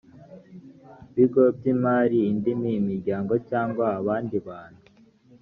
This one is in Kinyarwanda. bigo by imari indi miryango cyangwa abandi bantu